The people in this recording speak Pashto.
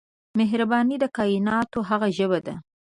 مهرباني د کایناتو هغه ژبه ده